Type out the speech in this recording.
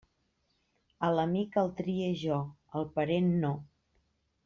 A l'amic el trie jo, al parent no.